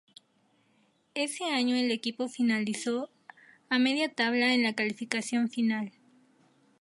Ese año el equipo finalizó a media tabla en la clasificación final.